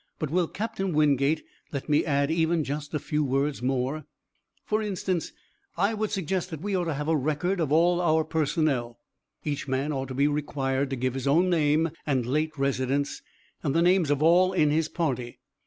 But will Captain Wingate let me add even just a few words more? "For instance, I would suggest that we ought to have a record of all our personnel. Each man ought to be required to give his own name and late residence, and the names of all in his party.